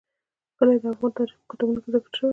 کلي د افغان تاریخ په کتابونو کې ذکر شوی دي.